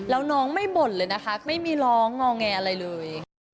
แล้วน้องไม่บ่นเลยนะคะไม่มีร้องงอแงอะไรเลย